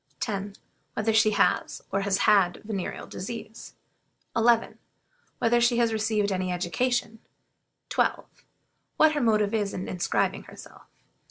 10. Whether she has, or has had, venereal disease? 11. Whether she has received any education? 12. What her motive is in inscribing herself?